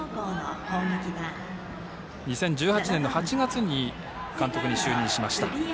２０１８年８月に監督に就任しました。